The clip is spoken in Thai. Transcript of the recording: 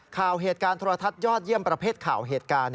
เหตุการณ์โทรทัศน์ยอดเยี่ยมประเภทข่าวเหตุการณ์